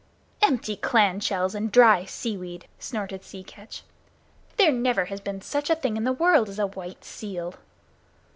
"Empty clam shells and dry seaweed!" snorted Sea Catch. "There never has been such a thing in the world as a white seal."